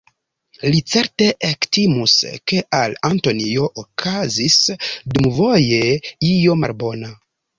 Li certe ektimus, ke al Antonio okazis dumvoje io malbona.